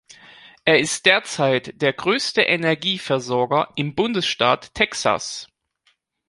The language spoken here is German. Es ist derzeit der größte Energieversorger im Bundesstaat Texas.